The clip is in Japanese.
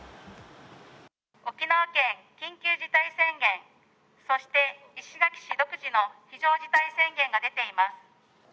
沖縄県緊急事態宣言、そして石垣市独自の非常事態宣言が出ています。